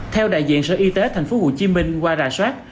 theo đại diện sở y tế tp hcm qua rà soát